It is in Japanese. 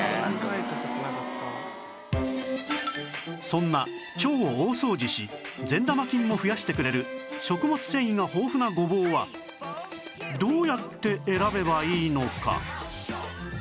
そんな腸を大掃除し善玉菌も増やしてくれる食物繊維が豊富なごぼうはどうやって選べばいいのか？